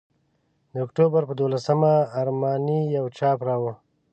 د اکتوبر پر دوولسمه ارماني یو چاپ راوړ.